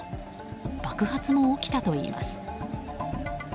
爆発も起きたといいます。